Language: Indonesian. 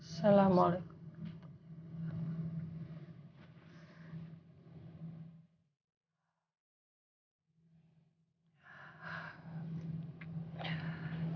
assalamualaikum warahmatullahi wabarakatuh